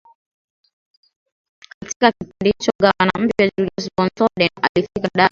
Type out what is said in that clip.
Katika kipindi hicho gavana mpya Julius von Soden alifika Dar es Salaam